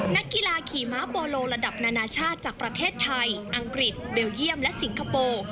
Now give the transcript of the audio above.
นักกีฬาขี่ม้าโปโลระดับนานาชาติจากประเทศไทยอังกฤษเบลเยี่ยมและสิงคโปร์